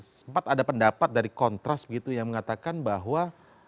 sempat ada pendapat dari kontras begitu yang mengatakan bahwa